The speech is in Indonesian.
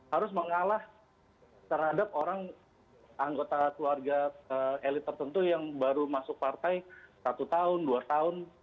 harus mengalah terhadap orang anggota keluarga elit tertentu yang baru masuk partai satu tahun dua tahun